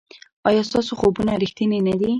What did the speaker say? ایا ستاسو خوبونه ریښتیني نه دي؟